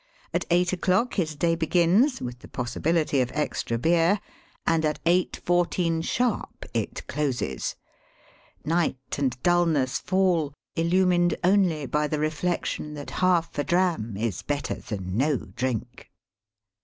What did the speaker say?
At 8 o'clock his day begins, with the possibility of extra beer, and at 8.14 sharp it closes. Night and dulness fall illumined only by the reflection that half a dram is better than no drink.